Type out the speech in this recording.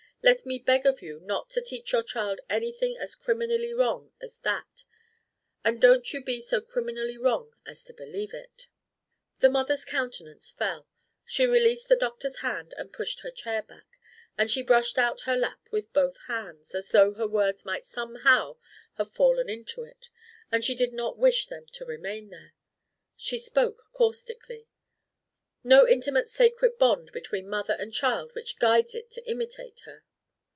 Let me beg of you not to teach your child anything as criminally wrong as that; and don't you be so criminally wrong as to believe it!" The mother's countenance fell. She released the doctor's hand and pushed her chair back; and she brushed out her lap with both hands as though his words might somehow have fallen into it, and she did not wish them to remain there. She spoke caustically: "No intimate sacred bond between mother and child which guides it to imitate her?"